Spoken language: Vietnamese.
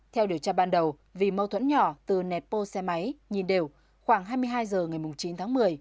theo điều tra ban đầu vì mâu thuẫn nhỏ từ nẹt bô xe máy nhìn đều khoảng hai mươi hai h ngày chín tháng một mươi